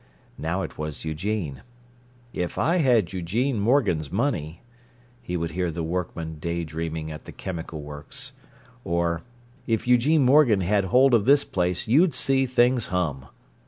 Now it was Eugene. "If I had Eugene Morgan's money," he would hear the workmen day dreaming at the chemical works; or, "If Eugene Morgan had hold of this place you'd see things hum!"